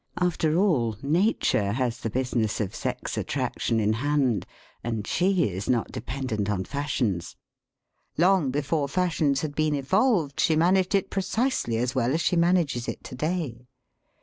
After all, nature has the business of sex* attraction in hand, and she is not dependent on fashions. Long before fashions had been evolved she managed it precisely as well as she manages it to day.